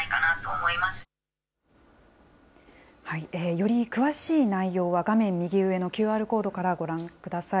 より詳しい内容は、画面右上のＱＲコードからご覧ください。